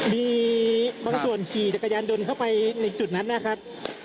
มีบางส่วนขี่จักรยานยนต์เข้าไปในจุดนั้นนะครับ